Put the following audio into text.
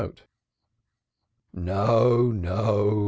"No, no!"